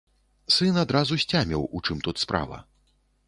Сын адразу сцяміў, у чым тут справа.